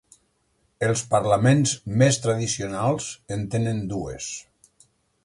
Els parlaments més tradicionals en tenen dues.